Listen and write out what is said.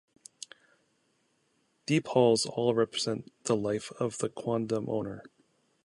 Deep halls all represent the life of the quondam owner.